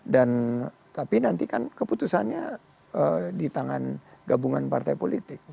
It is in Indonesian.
dan tapi nanti kan keputusannya di tangan gabungan partai politik